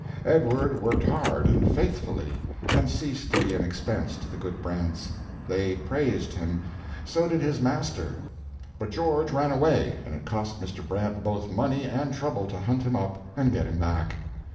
Edward worked hard and faithfully, and ceased to be an expense to the good Brants; they praised him, so did his master; but George ran away, and it cost Mr. Brant both money and trouble to hunt him up and get him back.